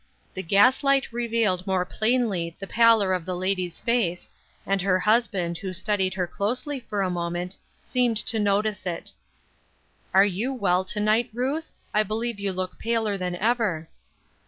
The gaslight revealed more plainly the pallor of the 4 AFTER SIX YEARS. lady's face, and her husband, who studied her closely for a moment, seemed to notice it. " Are you well to night, Ruth ? I believe you look paler than ever."